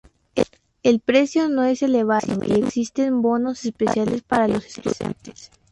El precio no es elevado y existen bonos especiales para los estudiantes.